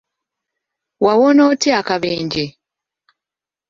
Wawona otya akabenje?